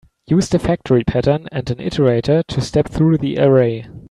Use the factory pattern and an iterator to step through the array.